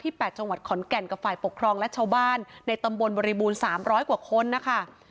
แปดจังหวัดขอนแก่นกับฝ่ายปกครองและชาวบ้านในตำบลบริบูรสามร้อยกว่าคนนะคะ